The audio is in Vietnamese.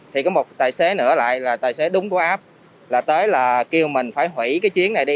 thì có một tài xế nữa lại là tài xế đúng của áp là tới là kêu mình phải hủy cái chiến này đi